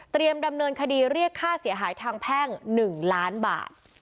ดำเนินคดีเรียกค่าเสียหายทางแพ่ง๑ล้านบาท